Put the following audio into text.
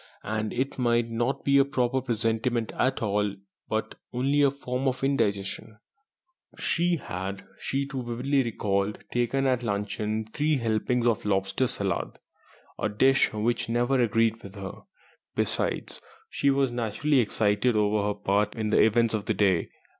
And it might not be a proper presentiment at all, but only a form of indigestion. She had (she too vividly recalled) taken at luncheon three helpings of lobster salad, a dish which never agreed with her. Besides, she was naturally excited over her part in the events of the day.